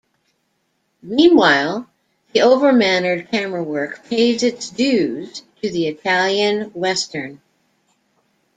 Meanwhile, the over-mannered camerawork pays its dues to the Italian Western.